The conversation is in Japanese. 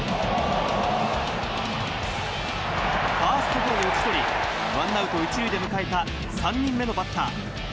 ファーストゴロに打ち取り、ワンアウト１塁で迎えた３人目のバッター。